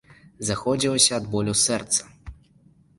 Заходзілася ад болю сэрца.